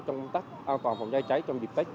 trong công tác an toàn phòng cháy cháy trong dịp tết